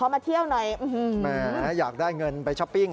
แหมอยากได้เงินไปชอบปิ้งเหรอ